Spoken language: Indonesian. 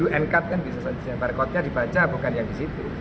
dekatkan bisa saja barcode nya dibaca bukan yang di situ